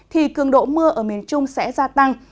thì cường độ mưa ở miền trung sẽ gia tăng